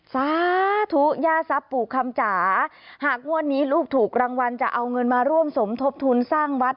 สาธุย่าทรัพย์ปู่คำจ๋าหากงวดนี้ลูกถูกรางวัลจะเอาเงินมาร่วมสมทบทุนสร้างวัด